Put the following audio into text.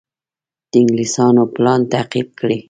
د انګلیسیانو پلان تعقیب کړي.